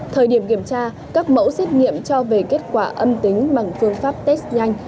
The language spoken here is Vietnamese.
thời điểm kiểm tra các mẫu xét nghiệm cho về kết quả âm tính bằng phương pháp test nhanh